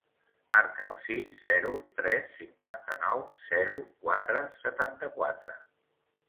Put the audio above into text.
Marca el sis, zero, tres, cinquanta-nou, zero, quatre, setanta-quatre.